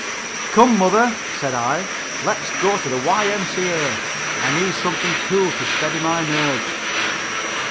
"Come, Mother," said I, "let's go to the Y.M.C.A. I need something cool to steady my nerves."